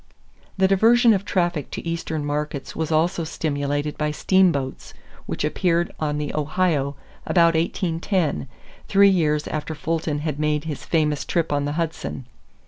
The diversion of traffic to Eastern markets was also stimulated by steamboats which appeared on the Ohio about 1810, three years after Fulton had made his famous trip on the Hudson.